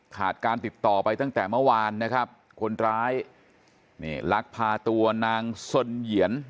การติดต่อไปตั้งแต่เมื่อวานนะครับคนร้ายนี่ลักพาตัวนางสนเหยียน